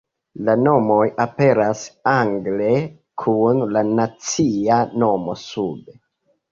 La nomoj aperas angle kun la nacia nomo sube.